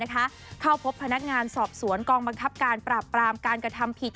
เข้าพบพนักงานสอบสวนกองบังคับการปราบปรามการกระทำผิด